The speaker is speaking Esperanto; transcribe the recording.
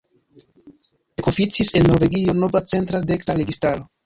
Ekoficis en Norvegio nova centra-dekstra registaro.